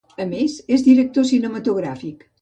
A més, és director cinematogràfic.